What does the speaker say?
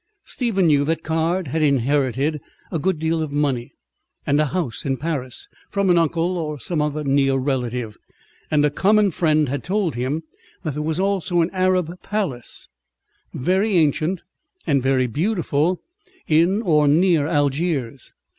Stephen knew that Caird had inherited a good deal of money, and a house in Paris, from an uncle or some other near relative; and a common friend had told him that there was also an Arab palace, very ancient and very beautiful, in or near Algiers.